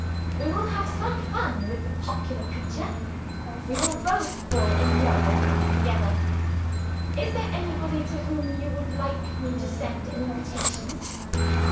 We will have some fun with the popular preacher we will both fall in love with him together. "Is there anybody to whom you would like me to send an invitation?